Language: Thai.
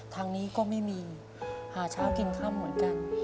ทางนี้ก็ไม่มีหาเช้ากินค่ำเหมือนกัน